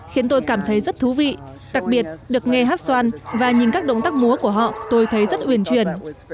khiến tôi cảm thấy rất thú vị đặc biệt được nghe hát xoan và nhìn các động tác múa của họ tôi thấy rất uyền truyền